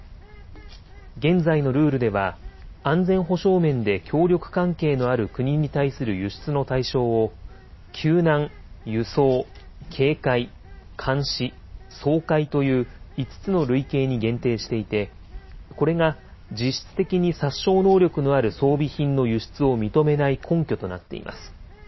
現在のルールでは、安全保障面で協力関係のある国に対する輸出の対象を、救難、輸送、警戒、監視、掃海という、５つの類型に限定していて、これが実質的に殺傷能力のある装備品の輸出を認めない根拠となっています。